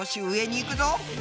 行くぞ！